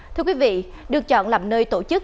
thưa quý vị được chọn làm nơi tổ chức